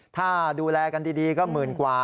ถ้าดูแลกันดีก็หมื่นกว่า